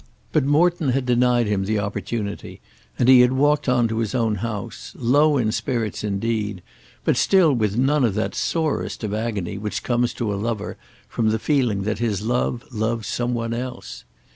But Morton had denied him the opportunity, and he had walked on to his own house, low in spirits indeed, but still with none of that sorest of agony which comes to a lover from the feeling that his love loves some one else.